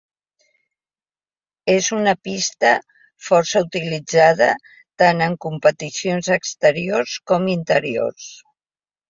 És una pista força utilitzada tant en competicions exteriors com interiors.